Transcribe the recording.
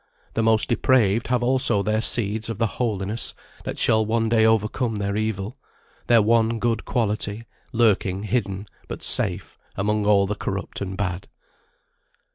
The most depraved have also their Seed of the Holiness that shall one day overcome their evil, their one good quality, lurking hidden, but safe, among all the corrupt and bad.